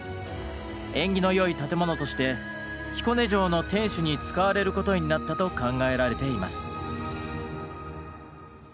縁起の良い建物として彦根城の天守に使われることになったと考えられています。